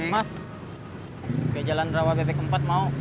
mas ke jalan rawat pt ke empat mau